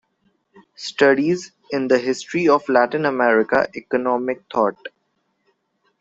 "Studies in the history of Latin American economic thought".